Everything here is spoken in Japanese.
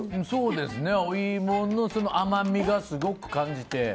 お芋の甘みがすごく感じて。